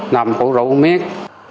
nằm hổ rấu miếng